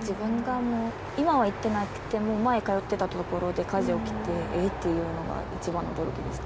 自分が今は行ってなくても前通ってたところで火事が起きてえ？っていうのが一番驚きでした。